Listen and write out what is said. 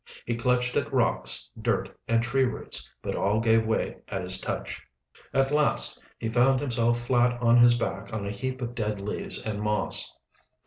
He clutched at rocks, dirt, and tree roots, but all gave way at his touch. At last he found himself flat on his back on a heap of dead leaves and moss.